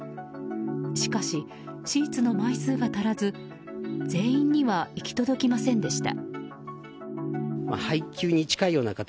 しかし、シーツの枚数が足らず全員には行き届きませんでした。